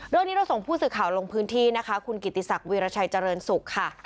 เรื่องนี้เราส่งผู้สื่อข่าวลงพื้นที่นะคะคุณกิติศักดิรชัยเจริญสุขค่ะ